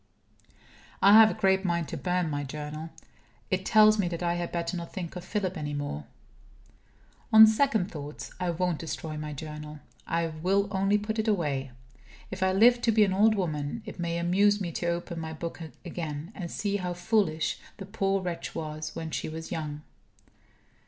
....... I have a great mind to burn my Journal. It tells me that I had better not think of Philip any more. On second thoughts, I won't destroy my Journal; I will only put it away. If I live to be an old woman, it may amuse me to open my book again, and see how foolish the poor wretch was when she was young.